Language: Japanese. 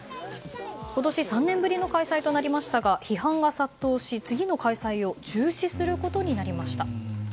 今年は３年ぶりの開催となりましたが批判が殺到し次の開催を中止することになりました。